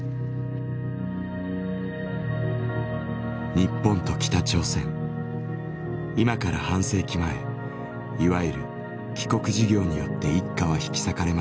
日本と北朝鮮今から半世紀前いわゆる「帰国事業」によって一家は引き裂かれました。